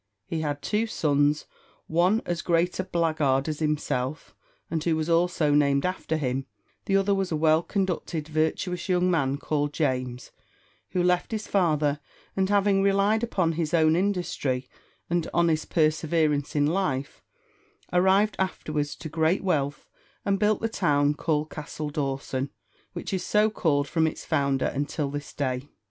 He had two sons one as great a blackguard as himself, and who was also named after him; the other was a well conducted, virtuous young man, called James, who left his father, and having relied upon his own industry and honest perseverance in life, arrived afterwards to great wealth, and built the town called Castle Dawson; which is so called from its founder until this day.